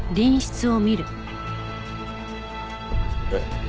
えっ？